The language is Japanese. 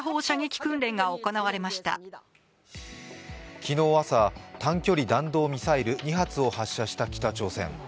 昨日朝、短距離弾道ミサイル２発を発射した北朝鮮。